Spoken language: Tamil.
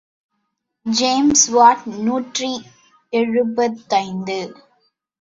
ஜேம்ஸ் வாட் நூற்றி எழுபத்தைந்து.